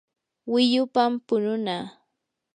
wiyupam pununaa.